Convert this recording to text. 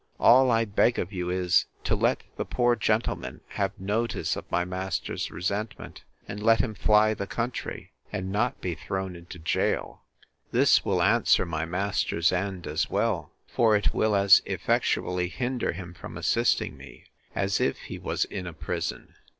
All I beg of you is, to let the poor gentleman have notice of my master's resentment; and let him fly the country, and not be thrown into gaol. This will answer my master's end as well; for it will as effectually hinder him from assisting me, as if he was in a prison.